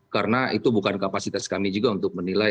karena itu bukan kapasitas kami juga untuk menilai